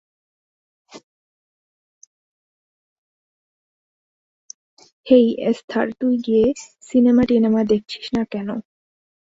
হেই, Esther, তুই গিয়ে সিনেমা-টিনেমা দেখছিস না কেন?